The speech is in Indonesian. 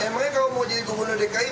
emangnya kalau mau jadi gubernur dki